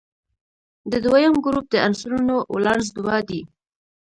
د دویم ګروپ د عنصرونو ولانس دوه دی.